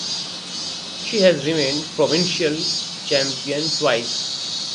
She has remained provincial champion twice.